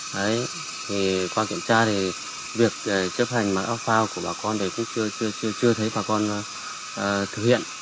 đấy thì qua kiểm tra thì việc chấp hành mặc áo phao của bà con thì cũng chưa thấy bà con thực hiện